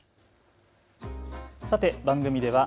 さて番組では＃